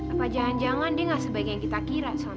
apa jangan jangan dia gak sebaik yang kita kira selama ini